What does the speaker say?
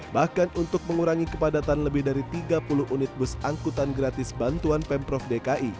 bahkan untuk mengurangi kepadatan lebih dari tiga puluh unit bus angkutan gratis bantuan pemprov dki